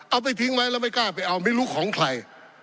เอาไปทิ้งไว้แล้วไม่กล้าไปเอาไม่รู้ของใคร